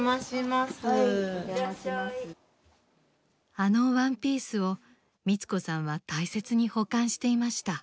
あのワンピースを光子さんは大切に保管していました。